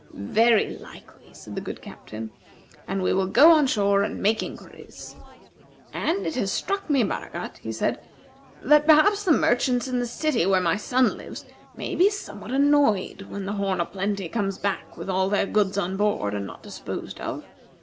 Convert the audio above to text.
"Very likely," said the good Captain; "and we will go on shore and make inquiries. And it has struck me, Baragat," he said, "that perhaps the merchants in the city where my son lives may be somewhat annoyed when the 'Horn o' Plenty' comes back with all their goods on board, and not disposed of.